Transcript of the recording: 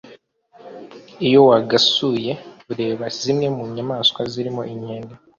Iyo wagasuye ureba zimwe mu nyamanswa zirimo inkende